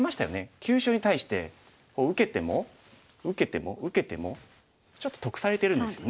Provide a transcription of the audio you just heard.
急所に対して受けても受けても受けてもちょっと得されてるんですよね。